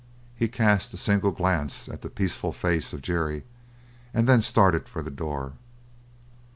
He cast a single glance at the peaceful face of Jerry, and then started for the door.